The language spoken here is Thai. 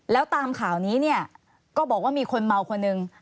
แล้วตามข่าวนี้เนี่ยก็บอกว่ามีคนเมาคนหนึ่ง